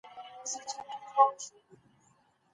موږ د ټولنې بنسټونه څېړو.